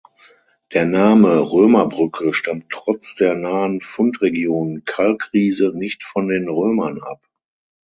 Der Name Römerbrücke stammt trotz der nahen Fundregion Kalkriese nicht von den Römern ab.